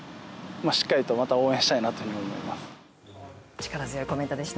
力強いコメントでした。